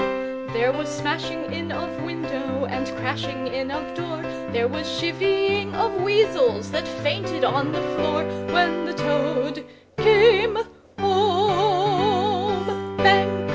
There was smashing in of window and crashing in of door, There was chivvying of weasels that fainted on the floor, When the Toad—came—home! Bang!